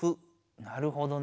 なるほどね。